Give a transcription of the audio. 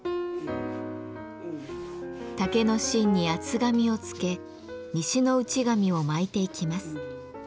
竹の芯に厚紙を付け西の内紙を巻いていきます。